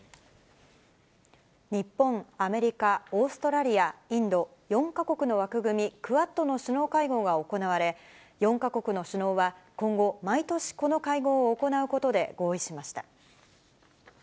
日本、アメリカ、オーストラリア、インド、４か国の枠組み、クアッドの首脳会合が行われ、４か国の首脳は今後、毎年この会合を行うことで合意しました。